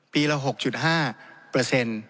ปีละ๖๕